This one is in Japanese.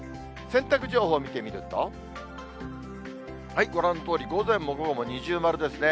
洗濯情報見てみると、ご覧のとおり、午前も午後も二重丸ですね。